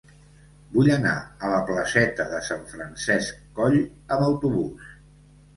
Vull anar a la placeta de Sant Francesc Coll amb autobús.